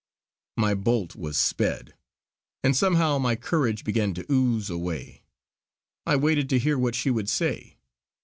My bolt was sped, and somehow my courage began to ooze away. I waited to hear what she would say.